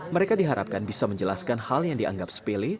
mereka diharapkan bisa menjelaskan hal yang dianggap sepele